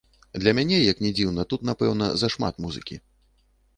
Для мяне, як ні дзіўна, тут, напэўна, зашмат музыкі.